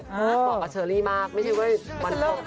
บอกกับเชอรี่มากไม่ใช่ว่าวันคบเลิก